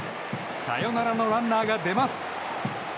サヨナラのランナーが出ます。